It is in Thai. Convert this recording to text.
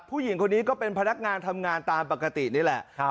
ผู้หญิงคนนี้ก็เป็นพนักงานทำงานตามปกตินี่แหละ